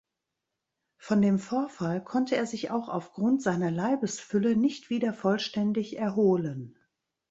Von dem Vorfall konnte er sich auch aufgrund seiner Leibesfülle nicht wieder vollständig erholen.